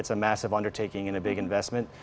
ini adalah pertemuan yang besar dan investasi besar